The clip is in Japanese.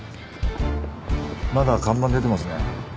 まだ看板出てますね。